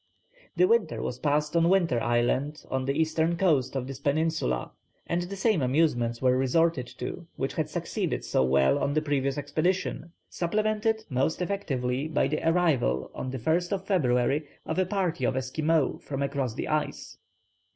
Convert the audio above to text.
The winter was passed on Winter Island on the eastern coast of this peninsula, and the same amusements were resorted to which had succeeded so well on the previous expedition, supplemented most effectively by the arrival on the 1st February of a party of Esquimaux from across the ice.